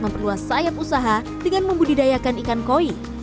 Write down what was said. yang perluas sayap usaha dengan membudidayakan ikan koi